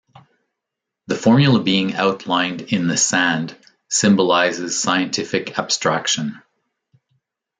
The formula being outlined in the sand symbolizes scientific abstraction.